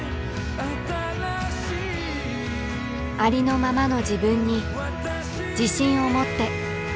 ありのままの自分に自信を持って。